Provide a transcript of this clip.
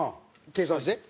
計算してよ